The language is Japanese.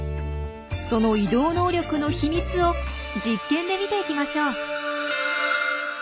その移動能力の秘密を実験で見ていきましょう。